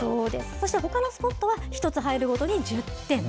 そしてほかのスポットは、１つ入るごとに１０点。